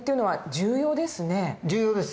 重要ですね。